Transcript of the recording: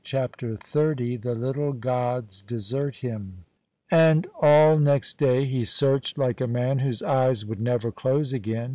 CHAPTER XXX THE LITTLE GODS DESERT HIM And all next day he searched like a man whose eyes would never close again.